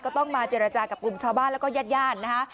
ก็ต้องมาเจรจากับบุคลุมชาวบ้านแล้วก็ฮนะคะ